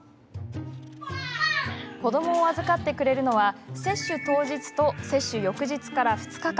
子どもを預かってくれるのは接種当日と接種翌日から２日間。